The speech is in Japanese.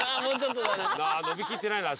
もうちょっとだな。